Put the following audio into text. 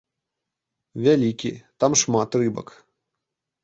Вялікі, там шмат рыбак.